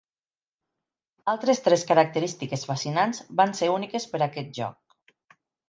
Altres tres característiques fascinants van ser úniques per a aquest joc.